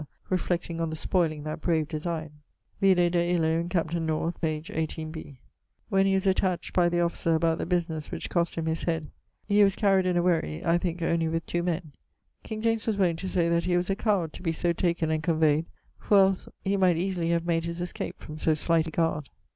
reflecting on the spoyling that brave designe. Vide de illo in Capt. North, pag. 18 b. When he was attached by the officer about the businesse which cost him his head, he was carryed in a whery, I thinke only with two men. King James was wont to say that he was a coward to be so taken and conveyed, for els he might easily have made his escape from so slight a guard.